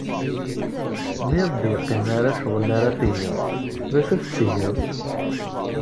Mi ur d-yettɣimi kra n ccɣel ara tgeḍ, d acu ay tettgeḍ?